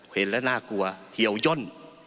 เห็นแล้วน่ากลัวเทียวย่น